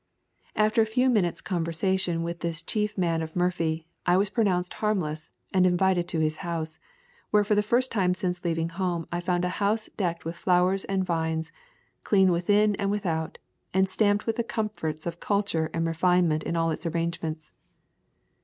After a few minutes' conver sation with this chief man of Murphy I was pronounced harmless, and invited to his house, where for the first time since leaving home I found a house decked with flowers and vines, clean within and without, and stamped with the comforts of culture and refinement in all its arrangements.